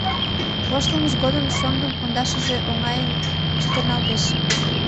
Воштылмыж годым шоҥгын пондашыже оҥайын чытырналтеш.